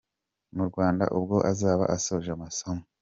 mu Rwanda ubwo azaba asoje amasomo.